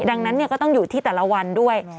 ดังนั้นก็ต้องอยู่ที่แต่ละวันด้วย